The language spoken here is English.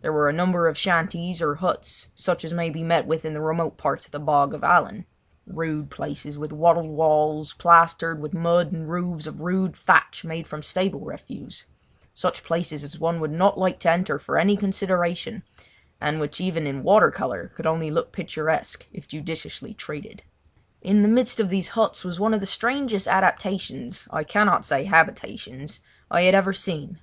There were a number of shanties or huts, such as may be met with in the remote parts of the Bog of Allan—rude places with wattled walls, plastered with mud and roofs of rude thatch made from stable refuse—such places as one would not like to enter for any consideration, and which even in water colour could only look picturesque if judiciously treated. In the midst of these huts was one of the strangest adaptations—I cannot say habitations—I had ever seen.